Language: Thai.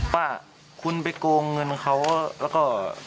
ว่าคุณไปโกงเงินเขาแล้วก็